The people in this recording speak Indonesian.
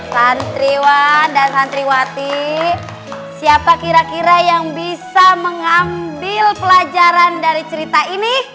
santriwan dan santriwati siapa kira kira yang bisa mengambil pelajaran dari cerita ini